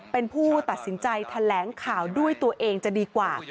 เป็นผู้ตัดสินใจแถลงข่าวด้วยตัวเองจะดีกว่า